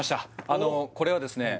あのこれはですね